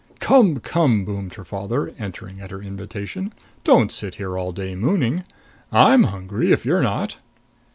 "Come, come!" boomed her father, entering at her invitation. "Don't sit here all day mooning. I'm hungry if you're not."